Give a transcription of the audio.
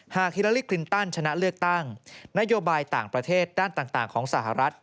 ฮิลาลีคลินตันชนะเลือกตั้งนโยบายต่างประเทศด้านต่างของสหรัฐ